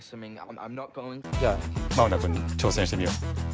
じゃあマウナくん挑戦してみよう。